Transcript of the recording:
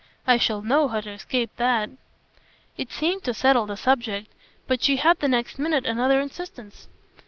I shall know how to escape that." It seemed to settle the subject, but she had the next minute another insistence.